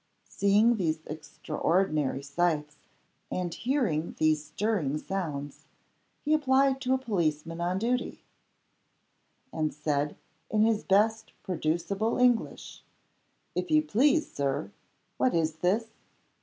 Seeing these extraordinary sights, and hearing these stirring sounds, he applied to a policeman on duty; and said, in his best producible English, "If you please, Sir, what is this?"